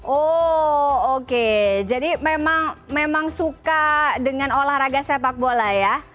oh oke jadi memang suka dengan olahraga sepak bola ya